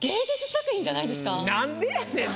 何でやねんな！